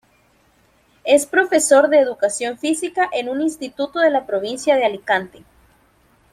Es profesor de educación física en un instituto de la provincia de Alicante.